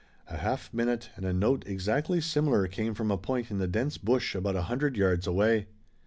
A half minute, and a note exactly similar came from a point in the dense bush about a hundred yards away.